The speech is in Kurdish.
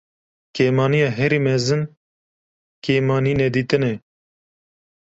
Kêmaniya herî mezin kêmanînedîtin e.